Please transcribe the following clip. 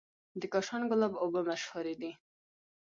د کاشان ګلاب اوبه مشهورې دي.